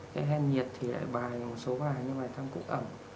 cái hen nhiệt thì lại bài một số bài như bài thăng cút ẩm